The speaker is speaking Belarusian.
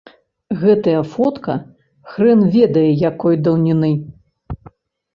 Гэтая фотка хрэн ведае якой даўніны.